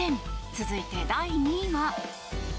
続いて、第２位は。